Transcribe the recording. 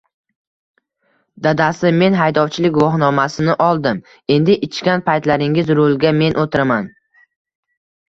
Dadasi, men haydovchilik guvohnomasi oldim. Endi ichgan paytlaringiz rulga men o'tiraman!